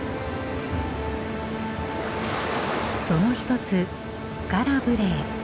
その一つスカラ・ブレエ。